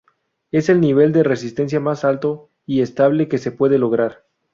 Es el nivel de resistencia más alto y estable que se puede lograr.